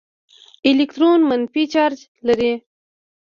الکترون منفي چارج لري.